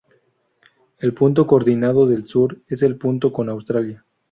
El punto coordinado del sur es el punto con Australia.